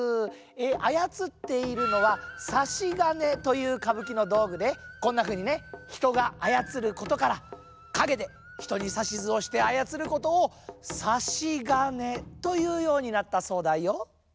あやつっているのは「さしがね」というかぶきのどうぐでこんなふうにねひとがあやつることからかげでひとにさしずをしてあやつることを「さしがね」というようになったそうだよ。